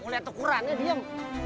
lihat ukurannya diem